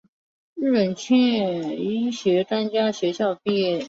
日本千叶医学专门学校毕业。